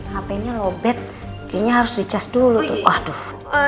hape nya lobet kayaknya harus di charge dulu tuh